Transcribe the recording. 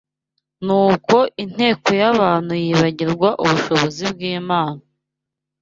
Nuko inteko y’abantu yibagirwa ubushobozi bw’Imana